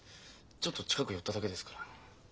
ちょっと近く寄っただけですから。